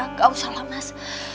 gak usah lah mas